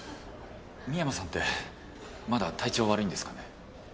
深山さんってまだ体調悪いんですかね？